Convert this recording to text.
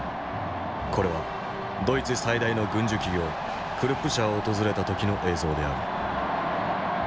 これはドイツ最大の軍需企業クルップ社を訪れた時の映像である。